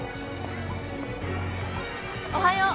おはよう。